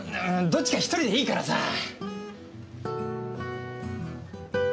どっちか１人でいいからさ。